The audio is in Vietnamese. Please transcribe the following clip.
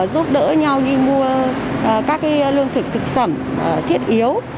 giúp đỡ nhau đi mua các lương thực thực phẩm thiết yếu